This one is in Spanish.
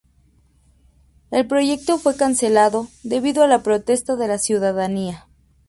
El proyecto fue cancelado debido a la protesta de la ciudadanía.